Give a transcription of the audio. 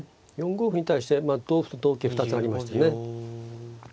４五歩に対して同歩と同桂２つありましてね。